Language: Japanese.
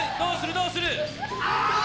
どうする？